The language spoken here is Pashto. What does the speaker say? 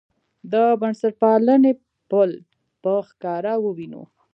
د بنسټپالنې پل په ښکاره ووینو.